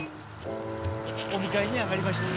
お迎えに上がりました。